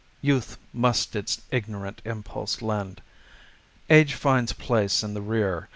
Youth must its ignorant impulse lend Age finds place in the rear.